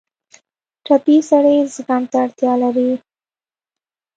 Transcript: ټپي سړی زغم ته اړتیا لري.